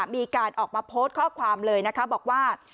มีการออกมาโพสต์ข้อความเลยนะคะบอกว่า